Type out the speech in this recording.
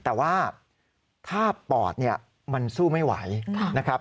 แต่ว่าถ้าปอดเนี่ยมันสู้ไม่ไหวนะครับ